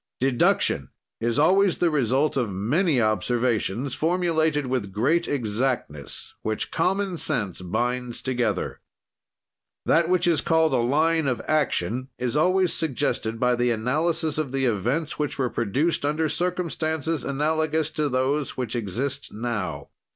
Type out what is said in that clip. "Deduction is always the result of many observations, formulated with great exactness, which common sense binds together. "That which is called a line of action is always suggested by the analysis of the events which were produced under circumstances analogous to those which exist now.